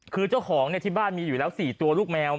คือเจ้าของที่บ้านมีอยู่แล้ว๔ตัวลูกแมว